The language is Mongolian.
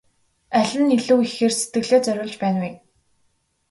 Аль нь илүү ихээр сэтгэлээ зориулж байна вэ?